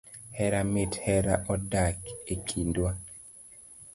Hera mit, hera odak ekindwa